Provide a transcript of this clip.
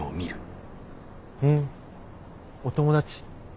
ふんお友達？